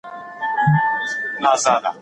دولت د مخالفانو پر وړاندې بریالی سوی و.